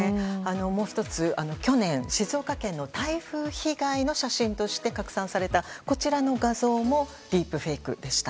もう１つ、去年、静岡県の台風被害の写真として拡散されたこちらの画像もディープフェイクでした。